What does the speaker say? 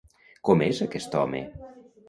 Com és aquest home?